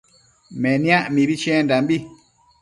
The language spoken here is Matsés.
Meniac mibi chiendambi